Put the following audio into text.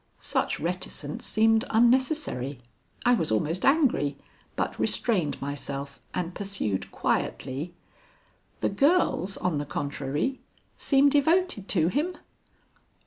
Such reticence seemed unnecessary. I was almost angry, but restrained myself and pursued quietly, "The girls, on the contrary, seem devoted to him?"